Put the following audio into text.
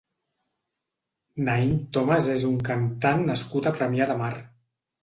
Naím Thomas és un cantant nascut a Premià de Mar.